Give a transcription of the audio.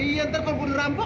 yaudah kalau gue dirampok